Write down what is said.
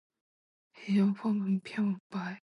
關於開放漂白